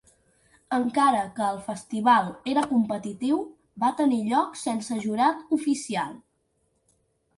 Encara que el festival era competitiu va tenir lloc sense jurat oficial.